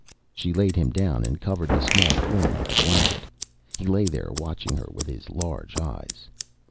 She laid him down and covered the small form with a blanket. He lay there watching her with his large eyes.